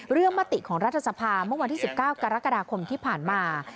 มติของรัฐสภาเมื่อวันที่๑๙กรกฎาคมที่ผ่านมา